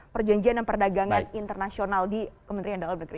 perjanjian dan perdagangan internasional di kementerian dalam negeri